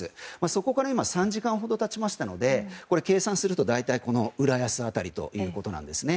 そこから今３時間ほど経ちましたので計算すると浦安辺りということです。